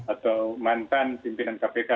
atau mantan pimpinan kpk